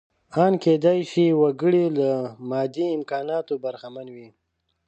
ان کېدای شي وګړی له مادي امکاناتو برخمن وي.